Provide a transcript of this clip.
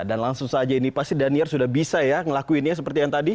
dan langsung saja ini pasti daniel sudah bisa ya ngelakuinnya seperti yang tadi